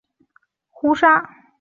他在第四任帝国皇帝沙胡。